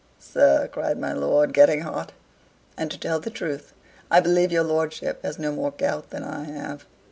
"Sir!" cried my lord, getting hot. "And to tell the truth I believe your lordship has no more gout than I have.